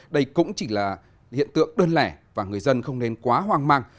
đây cũng chỉ là hiện tượng đơn lẻ và người dân không nên quá hoang mang